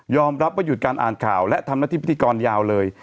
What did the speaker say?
รับว่าหยุดการอ่านข่าวและทำหน้าที่พิธีกรยาวเลย